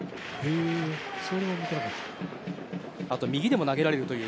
あとは右でも投げられると。